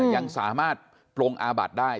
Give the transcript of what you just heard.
ยังสามารถปรงอาบัติได้